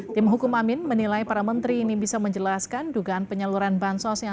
tim hukum amin menilai para menteri ini bisa menjelaskan dugaan penyaluran bansos yang